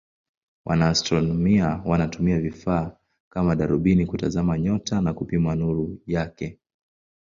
Wanaastronomia wanatumia vifaa kama darubini kutazama nyota na kupima nuru yake.